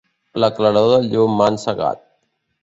La claror del llum m'ha encegat.